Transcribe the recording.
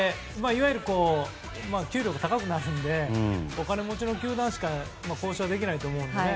いわゆる給料が高くなるのでお金持ちの球団しか交渉できないと思うので。